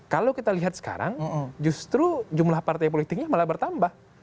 kalau kita lihat sekarang justru jumlah partai politiknya malah bertambah